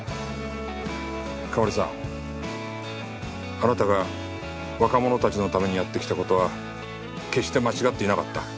あなたが若者たちのためにやってきた事は決して間違っていなかった。